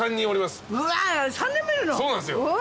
そうなんですよ。